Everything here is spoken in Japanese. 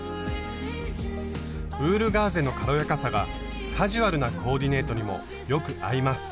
ウールガーゼの軽やかさがカジュアルなコーディネートにもよく合います。